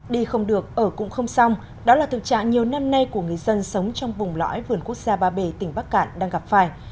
đi không được ở cũng không xong đó là thực trạng nhiều năm nay của người dân sống trong vùng lõi vườn quốc gia ba bể tỉnh bắc cạn đang gặp phải